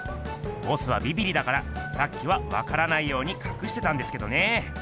ボスはびびりだからさっきはわからないようにかくしてたんですけどね。